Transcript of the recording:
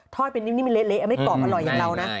ทอดเป็นนิดนิดมันเล็กไม่กรอบอร่อยอย่างเรานะ